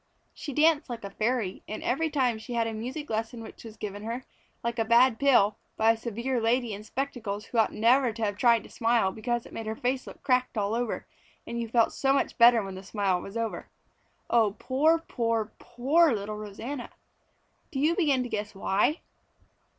She danced like a fairy, and every day she had a music lesson which was given her, like a bad pill, by a severe lady in spectacles who ought never to have tried to smile because it made her face look cracked all over and you felt so much better when the smile was over. Oh, poor, poor, poor little Rosanna! Do you begin to guess why?